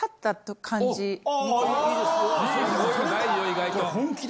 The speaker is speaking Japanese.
意外と。